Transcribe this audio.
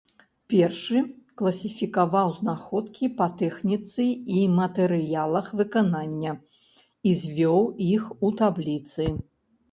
Першы класіфікаваў знаходкі па тэхніцы і матэрыялах выканання і звёў іх у табліцы.